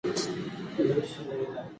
موږ باید د نوي کهول لپاره ښه بېلګه واوسو.